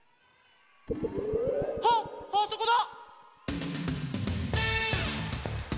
・あっあそこだ！